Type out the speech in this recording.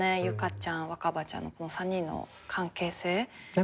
結佳ちゃん若葉ちゃんのこの３人の関係性。